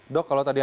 dok kalau tadi ada